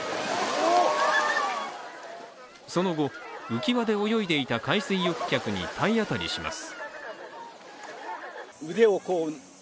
その後、浮き輪で泳いでいた海水浴客に体当たりします。